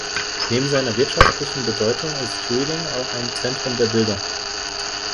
Neben seiner wirtschaftlichen Bedeutung ist Reading auch ein Zentrum der Bildung.